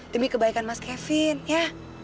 demi kebaikan mas kevin ya